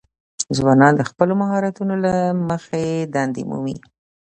ځوانان د خپلو مهارتونو له مخې دندې مومي.